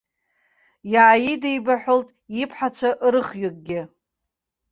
Иааидибаҳәалт иԥҳацәа рыхҩыкгьы.